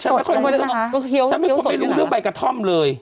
ฉันไม่รู้เรื่องใบกระท่อมเลย